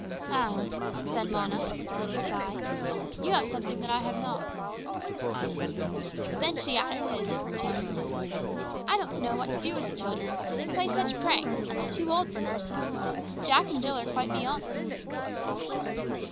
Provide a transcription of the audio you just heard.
"Ah," said Mona with a little sigh. "You have something that I have not." Then she added in a different tone "I don't know what to do with the children. They play such pranks, and they're too old for nurses. Jack and Jill are quite beyond them."